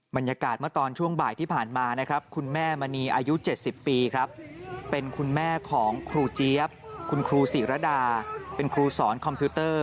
บรรยากาศเมื่อตอนช่วงบ่ายที่ผ่านมานะครับคุณแม่มณีอายุ๗๐ปีครับเป็นคุณแม่ของครูเจี๊ยบคุณครูศิรดาเป็นครูสอนคอมพิวเตอร์